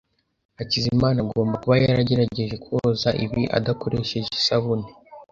Hakizimana agomba kuba yagerageje koza ibi adakoresheje isabune.